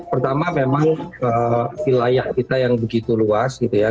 pertama memang wilayah kita yang begitu luas gitu ya